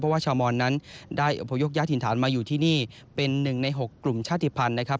ว่าชาวมอนนั้นได้อพยพญาติถิ่นฐานมาอยู่ที่นี่เป็นหนึ่งใน๖กลุ่มชาติภัณฑ์นะครับ